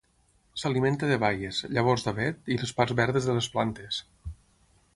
S'alimenta de baies, llavors d'avet i les parts verdes de les plantes.